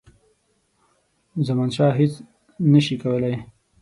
زمانشاه هیچ نه سي کولای.